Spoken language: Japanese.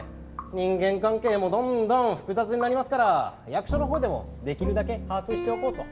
人間関係もどんどん複雑になりますから役所のほうでもできるだけ把握しておこうと。